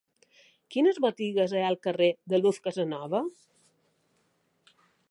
Quines botigues hi ha al carrer de Luz Casanova?